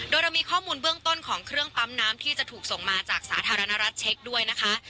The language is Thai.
โดยเรามีข้อมูลเบื้องต้นของเครื่องปั๊มน้ำที่จะถูกส่งมาจากสาธารณรัฐเช็คด้วยนะคะ